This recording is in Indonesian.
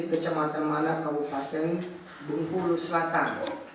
kecamatan mana kabupaten bengkulu selatan